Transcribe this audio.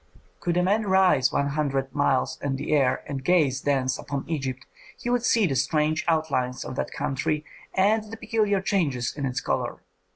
Could a man rise one hundred miles in the air and gaze thence upon Egypt, he would see the strange outlines of that country and the peculiar changes in its color.